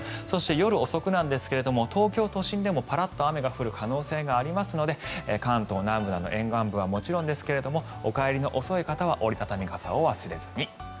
そして、夜遅くなんですが東京都心でもパラッと雨が降る可能性がありますので関東南部など沿岸部はもちろんですがお帰りの遅い方は折り畳み傘を忘れずに。